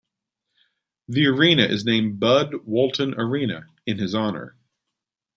The arena is named Bud Walton Arena in his honor.